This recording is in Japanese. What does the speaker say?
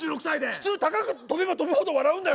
普通高く跳べば跳ぶほど笑うんだよ。